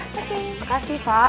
oke terima kasih pak